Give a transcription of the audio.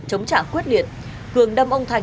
chống trả quyết liệt cường đâm ông thành